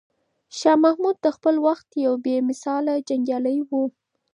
شاه محمود د خپل وخت یو بې مثاله جنګیالی و.